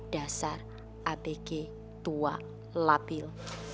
dasar apg tua lapil